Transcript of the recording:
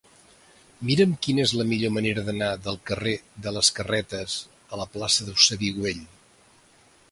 Mira'm quina és la millor manera d'anar del carrer de les Carretes a la plaça d'Eusebi Güell.